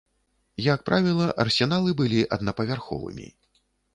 Як правіла арсеналы былі аднапавярховымі.